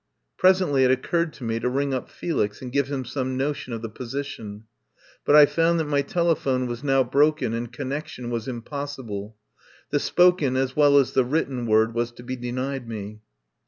Presently it occurred to me to ring up Felix and give him some notion of the position. But I found that my telephone was now broken and connection was impossible. The spoken as well as the written word was to be denied me.